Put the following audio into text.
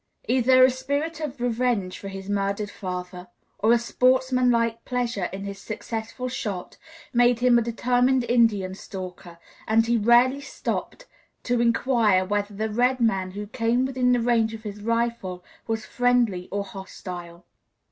Either a spirit of revenge for his murdered father, or a sportsmanlike pleasure in his successful shot, made him a determined Indian stalker, and he rarely stopped to inquire whether the red man who came within range of his rifle was friendly or hostile.